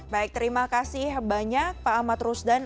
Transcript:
baik terima kasih banyak pak ahmad rusdan